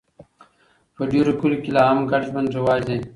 په ډېرو کلیو کې لا هم ګډ ژوند رواج دی.